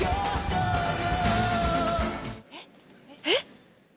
えっ？